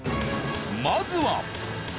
まずは。